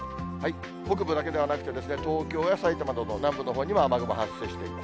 北部だけではなくて、東京や埼玉など、南部のほうにも雨雲発生しています。